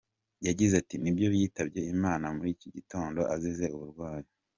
Yagize ati “Nibyo yitabye Imana muri iki gitondo azize uburwayi.